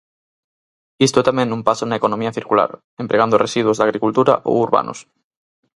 Isto é tamén un paso na economía circular, empregando residuos da agricultura ou urbanos.